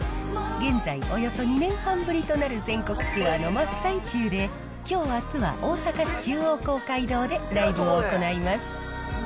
現在、およそ２年半ぶりとなる全国ツアーの真っ最中で、きょう、あすは大阪市中央公会堂でライブを行います。